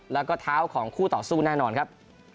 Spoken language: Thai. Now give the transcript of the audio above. แล้วก็เท้าของคู่ต่อสู้แน่นอนครับ